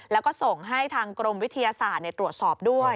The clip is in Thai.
แล้วก็ส่งให้ทางกรมวิทยาศาสตร์ตรวจสอบด้วย